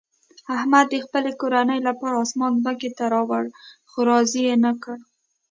احمد د خپلې کورنۍ لپاره اسمان ځمکې ته راوړ، خو راضي یې نه کړه.